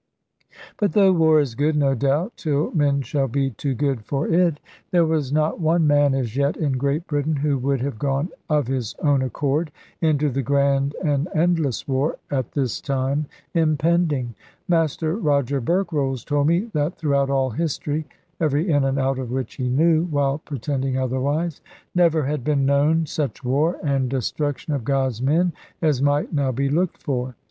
But though war is good, no doubt (till men shall be too good for it), there was not one man as yet in Great Britain, who would have gone of his own accord into the grand and endless war at this time impending. Master Roger Berkrolles told me that throughout all history (every in and out of which he knew, while pretending otherwise) never had been known such war, and destruction of God's men, as might now be looked for.